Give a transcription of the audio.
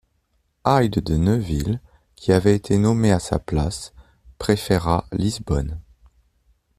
Hyde de Neuville qui avait été nommé à sa place préféra Lisbonne.